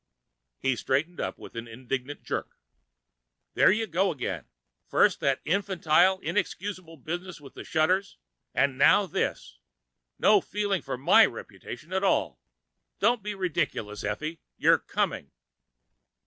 He straightened up with an indignant jerk. "There you go again! First that infantile, inexcusable business of the shutters, and now this! No feeling for my reputation at all. Don't be ridiculous, Effie. You're coming!"